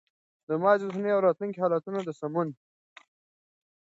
د ماضي، اوسني او راتلونکي حالتونو د سمون